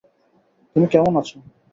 তুমি কেমন আছো?